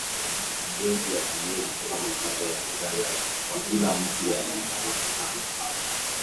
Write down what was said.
Benki ya Dunia ilisema mapato ya Uganda kwa kila mtu yaliimarika sana